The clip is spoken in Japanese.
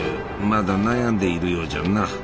まだ悩んでいるようじゃな。